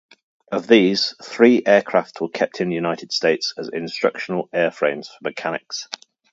Of these, three aircraft were kept in United States as instructional airframes for mechanics.